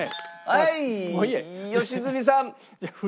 はい良純さん。